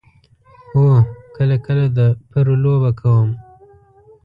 هو، کله کله د پرو لوبه کوم